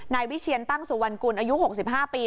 นายวิเชียร์ตั้งสุวรรคุณอายุหกสิบห้าปี